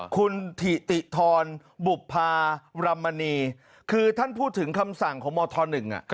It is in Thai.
คุณถิติธรบุภารมณีคือท่านพูดถึงคำสั่งของหมอท้อนึง